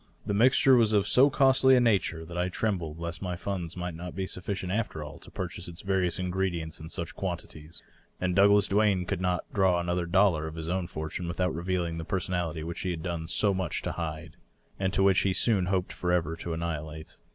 The mixture was of so costly a nature that I almost Vol. XXXIX.— 40 610 DOUGLAS DVANEr trembled lest my funds might not be sufficient, after all, to purchase its various ingredients in such quantities ; and Douglas Duane could not draw another dollar of his own fortune without revealing the person ality which he had done so much to hide, and which he soon hoped forever to annihilate.